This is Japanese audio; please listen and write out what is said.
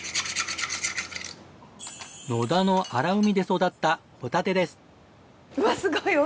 野田の荒海で育ったホタテです。